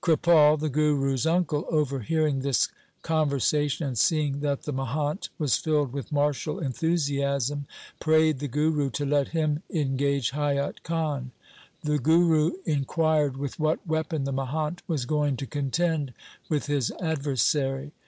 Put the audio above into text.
Kripal, the Guru's uncle, over hearing this conversation, and seeing that the mahant was filled with martial enthusiasm, prayed the Guru to let him engage Haiyat Khan. The Guru inquired with what weapon the mahant was going to contend with his adversary.